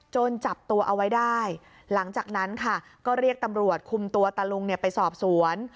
จับตัวเอาไว้ได้หลังจากนั้นค่ะก็เรียกตำรวจคุมตัวตะลุงไปสอบสวน